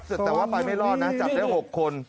แต่ว่าไปไม่รอดนะจับได้๖คน